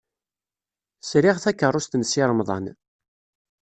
Sriɣ takeṛṛust n Si Remḍan.